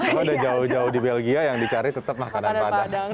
oh udah jauh jauh di belgia yang dicari tetap makanan padang